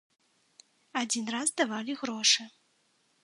Адзін раз давалі грошы.